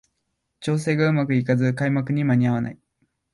調整がうまくいかず開幕に間に合わない